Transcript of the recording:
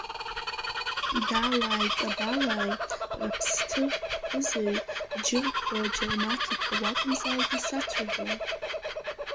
Далааи ҵабалааи раԥсҭыр ԥызаҩ Чыргба Џьармаҭ иԥа уакәымзааит исацәажәо?